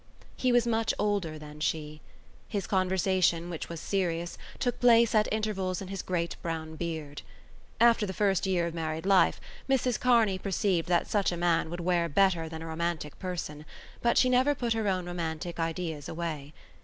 He was much older than she. His conversation, which was serious, took place at intervals in his great brown beard. After the first year of married life, Mrs Kearney perceived that such a man would wear better than a romantic person, but she never put her own romantic ideas away.